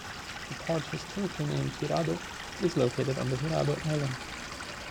The part historically named Hirado is located on the Hirado Island.